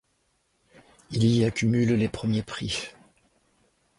Il y accumule les premiers prix.